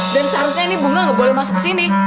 dan seharusnya nih bunga gak boleh masuk ke sini